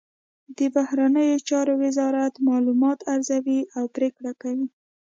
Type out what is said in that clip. د بهرنیو چارو وزارت معلومات ارزوي او پریکړه کوي